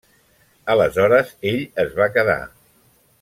Aleshores ell es va quedar.